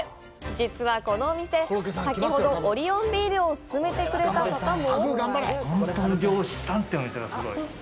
実は、このお店先ほどオリオンビールを勧めてくれた方も？